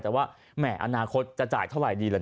แต่ว่าแหมอนาคตจะจ่ายเท่าไหร่ดีล่ะ